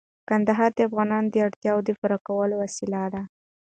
کندهار د افغانانو د اړتیاوو د پوره کولو وسیله ده.